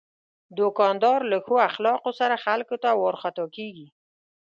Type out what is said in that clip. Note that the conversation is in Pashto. دوکاندار له ښو اخلاقو سره خلکو ته ورخطا کېږي.